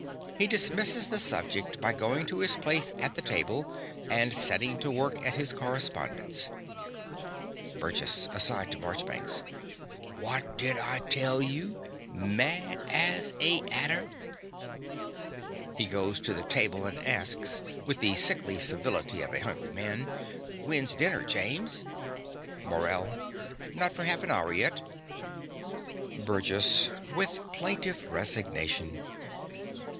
(He dismisses the subject by going to his place at the table and setting to work at his correspondence.) BURGESS (aside to Marchbanks). What did I tell you? Mad as a 'atter. (He goes to the table and asks, with the sickly civility of a hungry man) When's dinner, James? MORELL. Not for half an hour yet. BURGESS (with plaintive resignation).